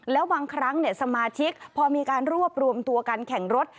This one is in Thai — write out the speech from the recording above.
แล้วบางครั้งสมาชิกพอมีการรวบรวมตัวการแข่งรถ